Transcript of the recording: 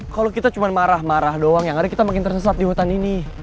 kalau kita cuma marah marah doang yang ada kita makin tersesat di hutan ini